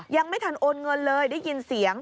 ยังไม่ทันโอนเงินเลยได้ยินเสียง